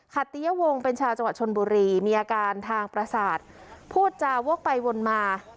ขัตยวงเป็นชาวจังหวัดชนบุรีมีอาการทางประสาทพูดจาวกไปวนมา